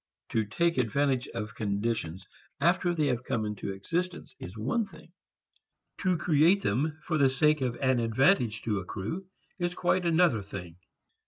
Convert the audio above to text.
To take advantage of conditions after they have come into existence is one thing; to create them for the sake of an advantage to accrue is quite another thing.